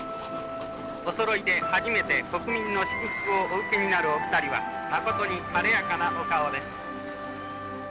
お揃いで初めて国民の祝福をお受けになるお二人は誠に晴れやかなお顔です。